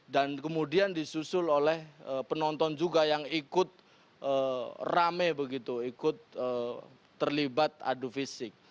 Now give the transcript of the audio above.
dan kemudian disusul oleh penonton juga yang ikut rame begitu ikut terlibat adu fisik